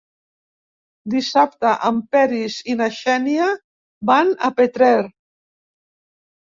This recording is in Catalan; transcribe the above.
Dissabte en Peris i na Xènia van a Petrer.